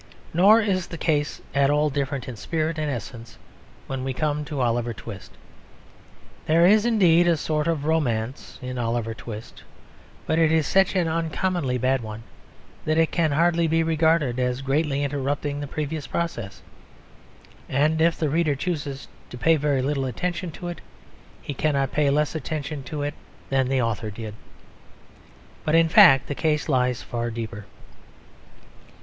Nor is the case at all different in spirit and essence when we come to Oliver Twist. There is indeed a sort of romance in Oliver Twist, but it is such an uncommonly bad one that it can hardly be regarded as greatly interrupting the previous process; and if the reader chooses to pay very little attention to it, he cannot pay less attention to it than the author did. But in fact the case lies far deeper.